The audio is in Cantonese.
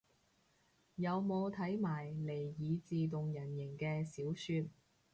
有冇睇埋尼爾自動人形嘅小說